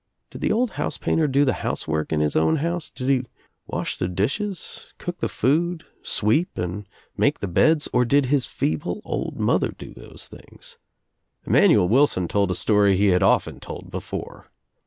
Did the old house painter do the housework in his own house, did he wash the dishes, cook the food, sweep and make the beds or did his feeble old mother do these things? Emanuel Wilson told a story he had often told before.